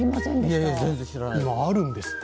今、あるんですって。